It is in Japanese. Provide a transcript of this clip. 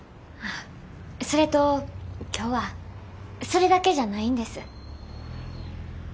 それと今日はそれだけじゃないんです。